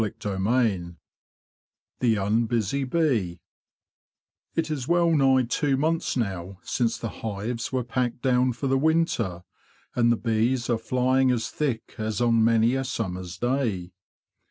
CHAPTER XXV THE UNBUSY BEE if is well nigh two months now since the hives were packed down for the winter, and the bees are flying as thick as on many a summer's day.